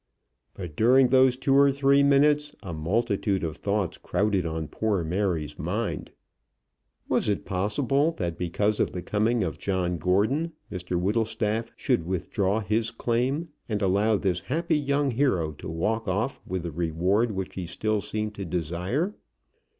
But during those two or three minutes, a multitude of thoughts crowded on poor Mary's mind. Was it possible that because of the coming of John Gordon, Mr Whittlestaff should withdraw his claim, and allow this happy young hero to walk off with the reward which he still seemed to desire?